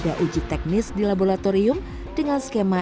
sebenarnya ini adalah perubahan yang tidak terlalu mudah